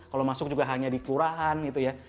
kalau masuk juga hanya di kelurahan gitu ya